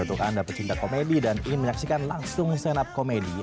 untuk anda pecinta komedi dan ingin menyaksikan langsung stand up komedi